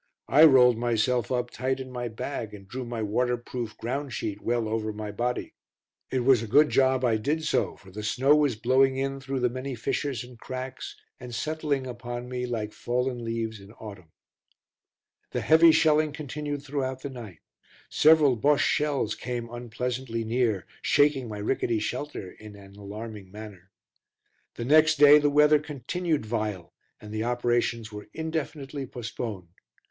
I rolled myself up tight in my bag and drew my waterproof ground sheet well over my body. It was a good job I did so for the snow was blowing in through the many fissures and cracks and settling upon me like fallen leaves in autumn. The heavy shelling continued throughout the night. Several Bosche shells came unpleasantly near, shaking my rickety shelter in an alarming manner. The next day the weather continued vile and the operations were indefinitely postponed.